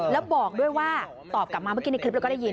แล้วบอกด้วยว่าตอบกลับมาเมื่อกี้ในคลิปเราก็ได้ยิน